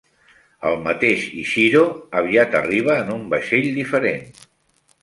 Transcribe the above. El mateix Ichiro aviat arriba en un vaixell diferent.